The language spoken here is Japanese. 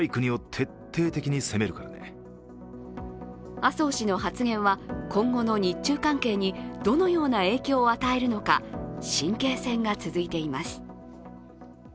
麻生氏の発言は今後の日中関係にどのような影響を与えるのか、神経戦が続いています。